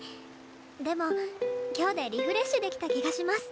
でも今日でリフレッシュできた気がします。